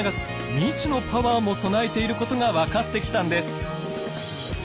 未知のパワーも備えていることが分かってきたんです。